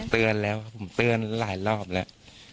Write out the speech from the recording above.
เตือนแล้วครับผมเตือนหลายรอบแล้ว